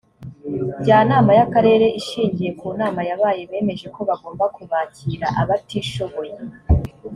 njyanama y’akarere ishingiye ku nama yabaye bemeje ko bagomba kubakira abatishoboye